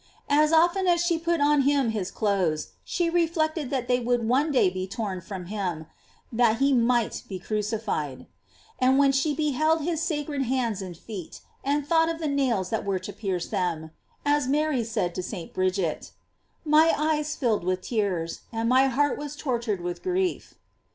* As often as she put on him his clothes, she reflected that they would one day be torn from him, that he might be crucified; and when she beheld his sacred hands and feet, and thought of the nails that were to pierce them, as Mary said to St. Bridget: "My eyes filled with tears, and my heart was tortured with grief."